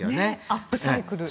アップサイクル。